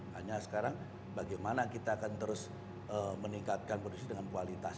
hanya sekarang bagaimana kita akan terus meningkatkan produksi dengan kualitas